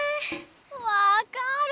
わかる！